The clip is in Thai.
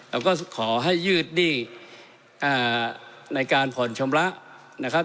แล้วก็ขอให้ยืดหนี้ในการผ่อนชำระนะครับ